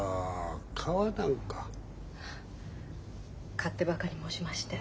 勝手ばかり申しまして。